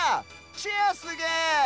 チェアすげえ！